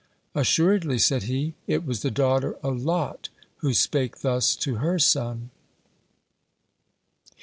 "Assuredly," said he, "it was the daughter of Lot who spake thus to her son."